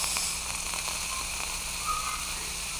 短刺西南莩草为禾本科狗尾草属下的一个变种。